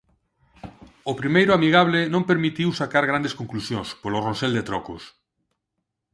O primeiro amigable non permitiu sacar grandes conclusións polo ronsel de trocos.